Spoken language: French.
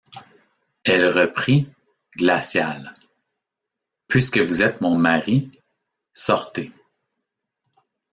Elle reprit, glaciale: — Puisque vous êtes mon mari, sortez.